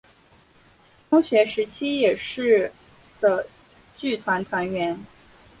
中学时期也是的剧团团员。